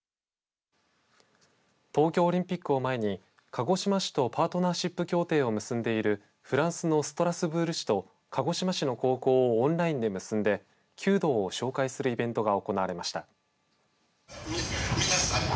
東京オリンピックを前に鹿児島市とパートナーシップ協定を結んでいるフランスのストラスブール市と鹿児島の高校をオンラインで結んで弓道を紹介するイベントが行われました。